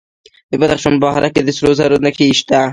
د بدخشان په بهارک کې د سرو زرو نښې شته.